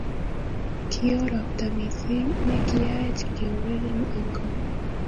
Kio robta mising ne kiyaech keureren eng ko